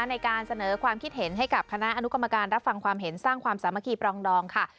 ในการเสนอความคิดเห็นให้กับคณะอนุกรรมการรับฟังความเห็นสร้างความสามัคคีปรองดองค่ะ